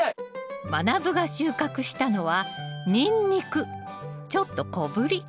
まなぶが収穫したのはちょっと小ぶり。